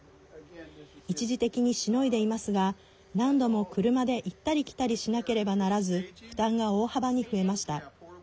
一時的にしのいでいますが何度も車で行ったり来たりしなければならず負担が大幅に増えました。